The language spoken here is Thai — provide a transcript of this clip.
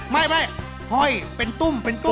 ห้อยเป็นตุ้มเป็นตุ้ม